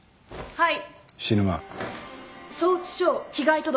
はい。